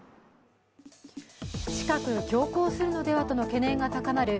近く強行するのではとの懸念が高まる